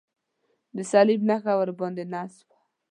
د صلیب نښه ورباندې نصب وه.